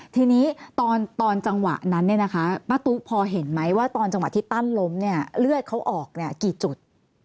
ทีนี้ตอนจังหวะนั้นเนี่ยนะคะป้าตุ๊พอเห็นไหมว่าตอนจังหวะที่ตั้นล้มเนี่ยเลือดเขาออกกี่จุด